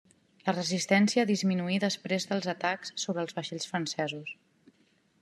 La resistència disminuí després dels atacs sobre els vaixells francesos.